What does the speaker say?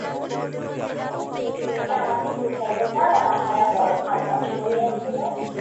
মন্ত্রী, তুমি কি আমাকে বুঝাইতে চাও, তাহারা বড় ভাল কাজ করিয়াছিল?